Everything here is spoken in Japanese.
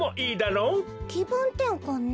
きぶんてんかんね。